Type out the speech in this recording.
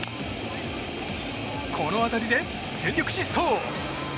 この当たりで全力疾走。